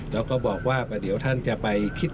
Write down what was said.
และในการการแสดงประเมตติจะมีขายจากท่านนะครับ